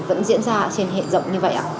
vẫn diễn ra trên hệ rộng như vậy ạ